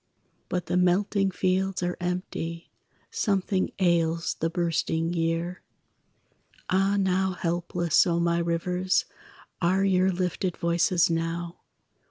But the melting fields are empty, Something ails the bursting year. Ah, now helpless, O my rivers, Are your lifted voices now!